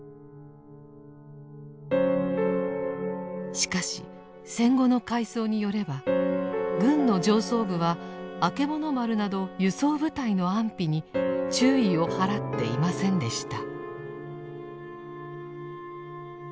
しかし戦後の回想によれば軍の上層部はあけぼの丸など輸送部隊の安否に注意を払っていませんでした。